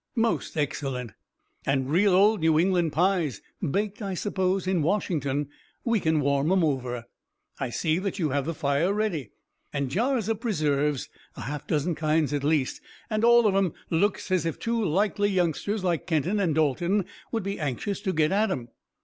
"Most excellent." "And real old New England pies, baked, I suppose, in Washington. We can warm 'em over." "I see that you have the fire ready." "And jars of preserves, a half dozen kinds at least, and all of 'em look as if two likely youngsters like Kenton and Dalton would be anxious to get at 'em."